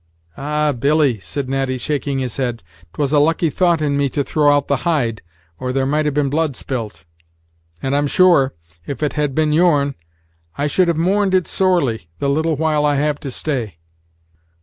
"Ah! Billy," said Natty, shaking his head, "'twas a lucky thought in me to throw out the hide, or there might have been blood spilt; and I'm sure, if it had been your'n, I should have mourned it sorely the little while I have to stay."